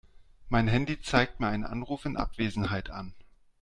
Mein Handy zeigt mir einen Anruf in Abwesenheit an.